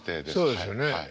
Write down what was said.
そうですよね。